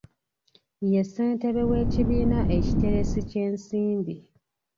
Ye ssentebe w'ekibiina ekiteresi ky'ensimbi.